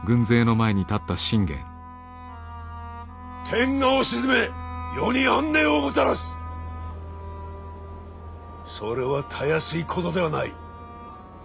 天下を鎮め世に安寧をもたらすそれはたやすいことではない。